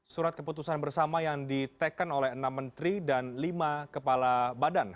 surat keputusan bersama yang diteken oleh enam menteri dan lima kepala badan